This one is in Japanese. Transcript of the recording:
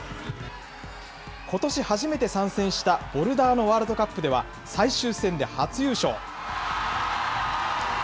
ことし初めて参戦したボルダーのワールドカップでは、最終戦で初優勝。